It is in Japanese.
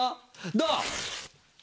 どう？